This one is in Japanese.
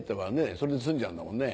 それで済んじゃうんだもんね。